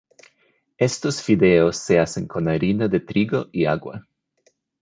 Estos fideos se hacen con harina de trigo y agua.